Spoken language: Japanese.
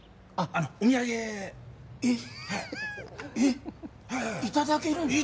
あのお土産はいえっいただけるんですか？